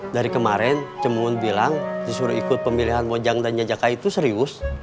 dari kemarin cemohon bilang disuruh ikut pemilihan mojang dan jajaka itu serius